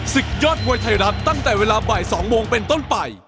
ศึกยอดมวยไทยรัฐตั้งแต่เวลาบ่าย๒โมงเป็นต้นไป